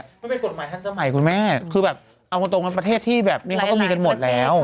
มันเป็นกฎหมายทันสมัยคุณแม่คือแบบเอามาตรงมันประเทศที่แบบนี้เขาก็มีกันหมดแล้ว